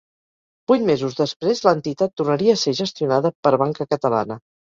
Vuit mesos després l'entitat tornaria a ser gestionada per Banca Catalana.